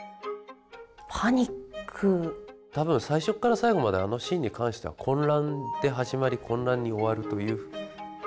多分最初から最後まであのシーンに関しては混乱で始まり混乱に終わるという。